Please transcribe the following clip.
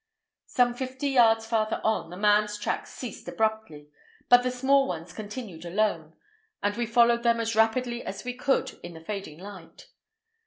Some fifty yards farther on, the man's tracks ceased abruptly, but the small ones continued alone; and we followed them as rapidly as we could in the fading light.